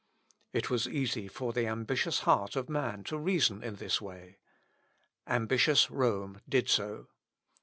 It was easy for the ambitious heart of man to reason in this way. Ambitious Rome did so.